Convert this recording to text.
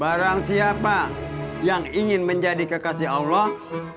barang siapa yang ingin menjadi kekasih allah